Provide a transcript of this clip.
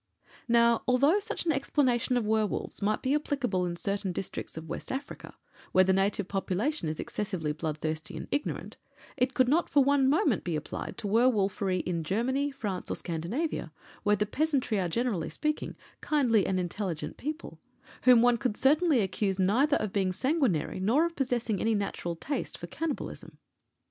Now, although such an explanation of werwolves might be applicable in certain districts of West Africa, where the native population is excessively bloodthirsty and ignorant, it could not for one moment be applied to werwolfery in Germany, France, or Scandinavia, where the peasantry are, generally speaking, kindly and intelligent people, whom one could certainly accuse neither of being sanguinary nor of possessing any natural taste for cannibalism.